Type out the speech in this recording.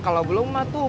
kalau belum mbak tuh